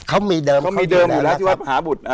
เขามีเดิมอยู่แล้วที่วัฒน์หาบุตร